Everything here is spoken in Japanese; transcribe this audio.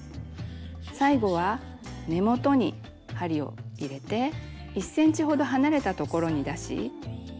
最後は根元に針を入れて１ｃｍほど離れたところに出し